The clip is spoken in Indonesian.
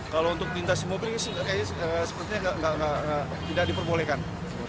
kalau untuk pintas mobil ini sepertinya tidak diperbolehkan